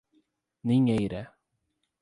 Ninheira